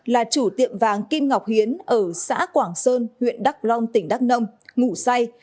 là chủ tiệm vàng kim ngọc hiến ở xã quảng sơn huyện đắk long tỉnh đắk nông ngủ say